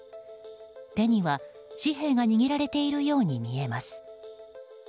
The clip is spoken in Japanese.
手には、紙幣が握られているように見えます。